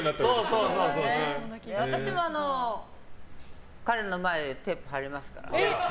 私は、彼の場合はテープ貼りますからね。